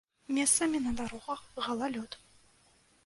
Месцамі на дарогах галалёд.